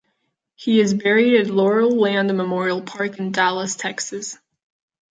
He is buried at Laurel Land Memorial Park in Dallas, Texas.